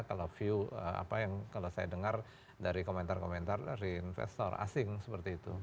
kalau view apa yang kalau saya dengar dari komentar komentar dari investor asing seperti itu